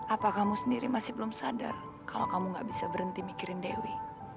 apa kamu sendiri masih belum sadar kalau kamu gak bisa berhenti mikirin dewi